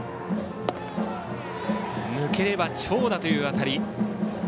抜ければ長打という当たり。